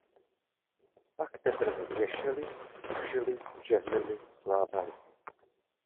Pak teprve věšely, sušily, žehlily, skládaly.